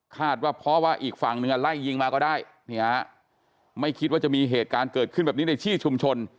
ว่าเพราะว่าอีกฝั่งหนึ่งไล่ยิงมาก็ได้ไม่คิดว่าจะมีเหตุการณ์เกิดขึ้นแบบนี้ในที่ชุมชน